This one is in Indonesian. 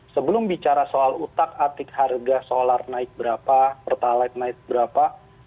sebelum bicara soal utak atik harga solar naik berapa pertalite naik berapa